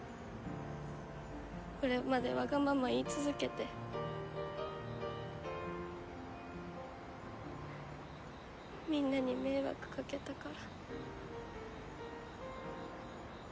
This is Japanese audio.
これまでわがまま言い続けてみんなに迷惑かけたから。